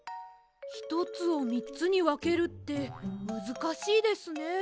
ひとつをみっつにわけるってむずかしいですね。